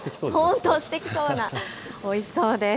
本当、してきそうな、おいしそうです。